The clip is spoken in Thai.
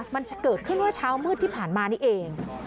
มันจะเกิดขึ้นเมื่อเช้ามืดที่ผ่านมานี่เอง